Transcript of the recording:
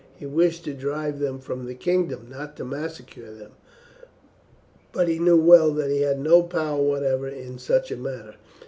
He wished to drive them from the kingdom, not to massacre them; but he knew well that he had no power whatever in such a matter.